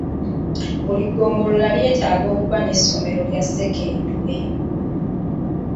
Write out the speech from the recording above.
Buli ggombolola lyetaaga okuba n'essomero lya ssekendule.